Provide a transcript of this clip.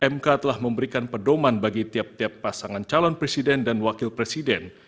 mk telah memberikan pedoman bagi tiap tiap pasangan calon presiden dan wakil presiden